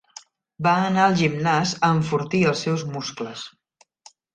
Va anar al gimnàs a enfortir els seus muscles.